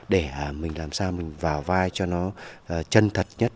để mình làm sao mình vào vai cho nó chân thật nhất